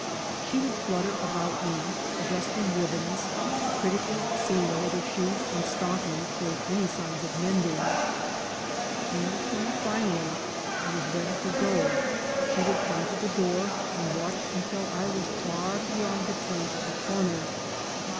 She would flutter about me, adjusting ribbons, critically seeing whether shoes and stockings showed any signs of mending. And when finally I was ready to go, she would come to the door, and watch until I was far beyond the turn of the corner.